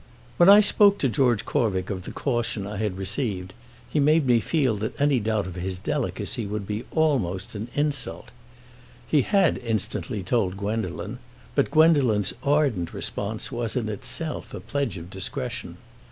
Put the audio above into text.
WHEN I spoke to George Corvick of the caution I had received he made me feel that any doubt of his delicacy would be almost an insult. He had instantly told Gwendolen, but Gwendolen's ardent response was in itself a pledge of discretion.